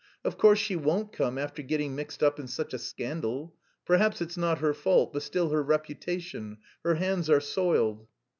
Of course, she won't come after getting mixed up in such a scandal. Perhaps it's not her fault, but still her reputation... her hands are soiled."